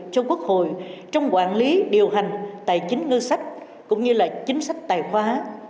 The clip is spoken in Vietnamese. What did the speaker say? cho quốc hội trong quản lý điều hành tài chính ngư sách cũng như chính sách tài khoá